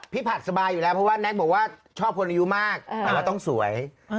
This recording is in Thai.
ผัดสบายอยู่แล้วเพราะว่าแน็กบอกว่าชอบคนอายุมากแต่ว่าต้องสวย